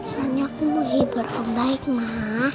soalnya aku mau hibur om baik ma